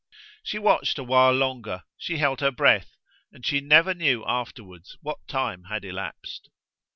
She watched a while longer, she held her breath, and she never knew afterwards what time had elapsed.